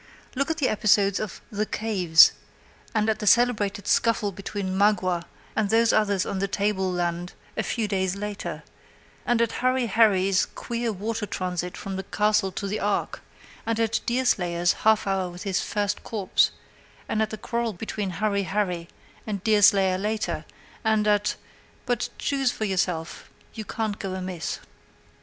Look at the episodes of "the caves"; and at the celebrated scuffle between Maqua and those others on the table land a few days later; and at Hurry Harry's queer water transit from the castle to the ark; and at Deerslayer's half hour with his first corpse; and at the quarrel between Hurry Harry and Deerslayer later; and at but choose for yourself; you can't go amiss.